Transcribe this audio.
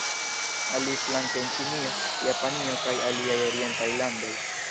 Aliflanke en Ĉinio, Japanio kaj aliaj orientaj landoj.